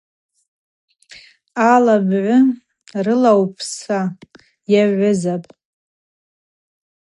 Ала бгӏвы рылаупса йагӏвызапӏ.